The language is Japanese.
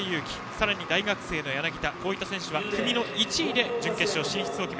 さらには大学生の柳田といった選手は組の１位で準決勝進出。